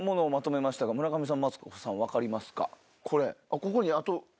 ここに。